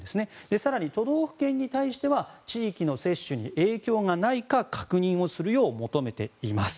更に都道府県に対しては地域の接種に影響がないか確認をするよう求めています。